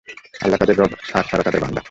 আল্লাহ তাদের রব আর তারা তাদের বান্দা।